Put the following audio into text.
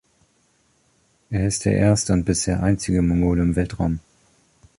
Er ist der erste und bisher einzige Mongole im Weltraum.